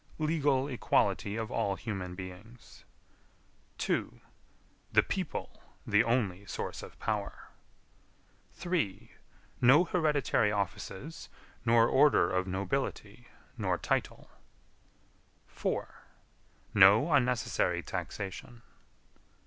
Legal equality of all human beings. 2. The people the only source of power. 3. No hereditary offices, nor order of "nobility," nor title. 4. No unnecessary taxation.